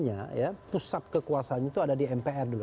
center of excellence nya pusat kekuasaannya itu ada di mpr dulu